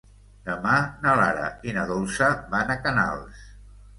Demà na Lara i na Dolça van a Canals.